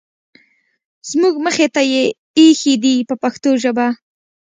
زموږ مخې ته یې اېښي دي په پښتو ژبه.